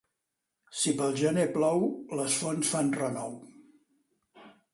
Si pel gener plou, les fonts fan renou.